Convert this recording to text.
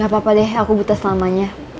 apa apa deh aku buta selamanya